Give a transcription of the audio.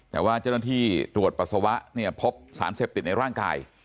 แต่ว่าเจ้าหน้าที่ตรวจปัสสาวะเนี่ยพบสารเสพติดในร่างกาย